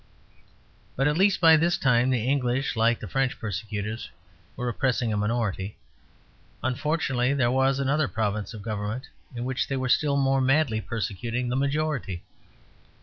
But at least by this time the English, like the French, persecutors were oppressing a minority. Unfortunately there was another province of government in which they were still more madly persecuting the majority.